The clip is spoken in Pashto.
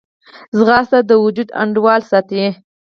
ځغاسته د وجود انډول ساتي